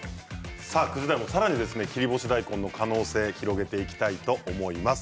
９時台もさらに切り干し大根の可能性を広げていきたいと思います。